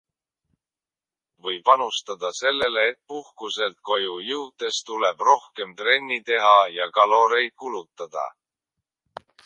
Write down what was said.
Või panustada sellele, et puhkuselt koju jõudes tuleb rohkem trenni teha ja kaloreid kulutada.